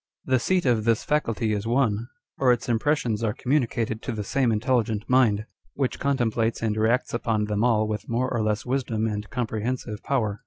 The seat of this faculty is one, or its im pressions are communicated to the same intelligent mind, which contemplates and reacts upon them all with more or less wisdom and comprehensive power.